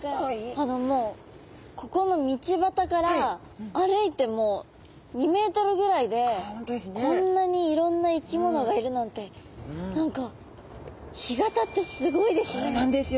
あのもうここの道端から歩いてもう２ｍぐらいでこんなにいろんな生き物がいるなんて何かそうなんですよ。